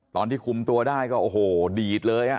ตอนที่คุมตัวได้ก็โอ้โหดีดเลย